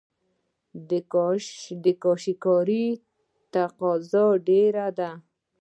د کاشي کارۍ تقاضا ډیره ده